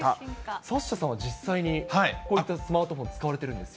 サッシャさんは実際にこういったスマートフォン使われてるんですね。